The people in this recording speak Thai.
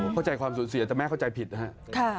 เข้าใจความสูญเสียแต่แม่เข้าใจผิดนะครับ